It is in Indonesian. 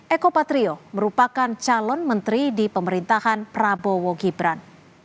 eko patrio merupakan calon menteri di pemerintahan prabowo gibran